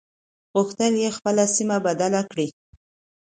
غوښتل يې خپله سيمه بدله کړي.